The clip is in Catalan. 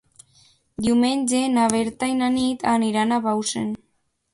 Diumenge na Berta i na Nit aniran a Bausen.